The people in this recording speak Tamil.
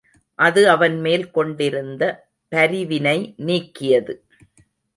அது அவன்மேல் கொண்டிருந்த பரிவினை நீக்கியது.